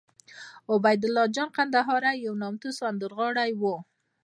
عبیدالله جان کندهاری یو نامتو سندرغاړی وو